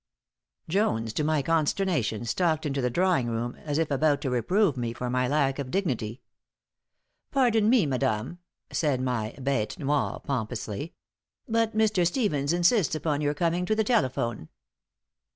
Jones, to my consternation, stalked into the drawing room, as if about to reprove me for my lack of dignity. "Pardon me, madame," said my bête noir, pompously, "but Mr. Stevens insists upon your coming to the telephone."